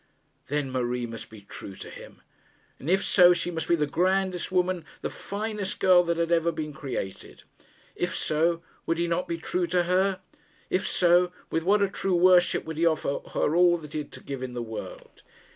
Then Marie must be true to him! And if so, she must be the grandest woman, the finest girl that had ever been created. If so, would he not be true to her? If so, with what a true worship would he offer her all that he had to give in the world!